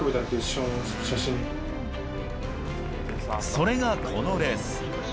それがこのレース。